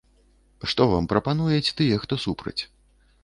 Што вам прапануюць тыя, хто супраць?